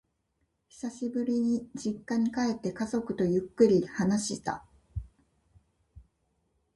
久しぶりに実家へ帰って、家族とゆっくり話した。